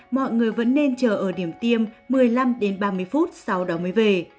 mọi người vẫn nên chờ ở điểm tiêm một mươi năm đến ba mươi phút sau đó mới về